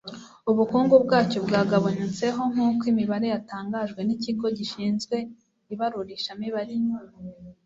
ubukungu bwacyo bwagabanutseho nk'uko imibare yatangajwe n'ikigo gishinzwe ibarurishamibare